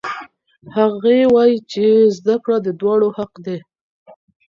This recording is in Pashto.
هغې وایي چې زده کړه د دواړو حق دی.